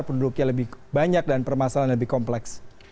penduduknya lebih banyak dan permasalahan lebih kompleks